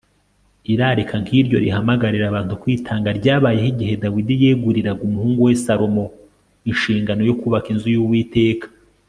irarika nk'iryo rihamagarira abantu kwitanga ryabayeho igihe dawidi yeguriraga umuhungu we salomo inshingano yo kubaka inzu y'uwiteka